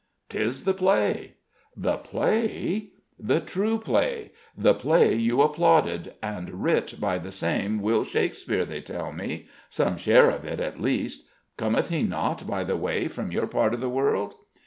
"'Tis the play." "The play?" "The true play the play you applauded: and writ by the same Will Shakespeare, they tell me some share of it at least. Cometh he not, by the way, from your part of the world?"